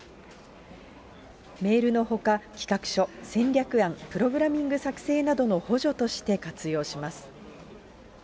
メールのほか、企画書、戦略案、プログラミング作成などの補助として活用します。